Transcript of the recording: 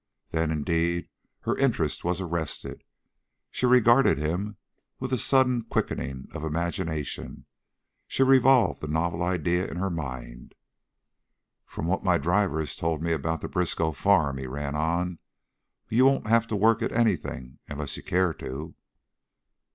Then indeed her interest was arrested. She regarded him with a sudden quickening of imagination; she revolved the novel idea in her mind. "From what my driver has told me about the Briskow farm," he ran on, "you won't have to work at anything, unless you care to."